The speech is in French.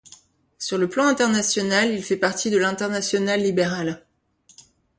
Sur le plan international, il fait partie de l'Internationale libérale.